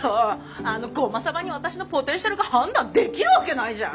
あのごまサバに私のポテンシャルが判断できるわけないじゃん！